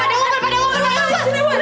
eh pada wongan pada wongan